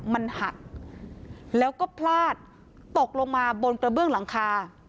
มันหักแล้วก็พลาดตกลงมาบนกระเบื้องหลังคา